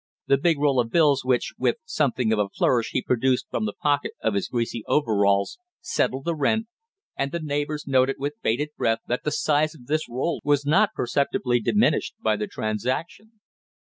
The big roll of bills which, with something of a flourish, he produced from the pocket of his greasy overalls, settled the rent, and the neighbors noted with bated breath that the size of this roll was not perceptibly diminished by the transaction.